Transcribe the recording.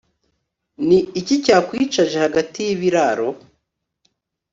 ni iki cyakwicaje hagati y'ibiraro